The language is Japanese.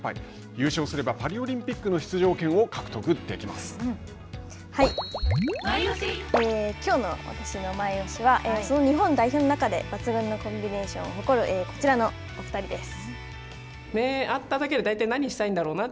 優勝すればパリオリンピックの出場権を獲得きょうの私のマイオシはその日本代表の中で抜群のコンビネーションを誇るこちらのお二人です。